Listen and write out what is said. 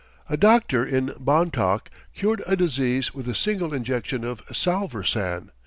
A doctor in Bontoc cured a case with a single injection of salvarsan.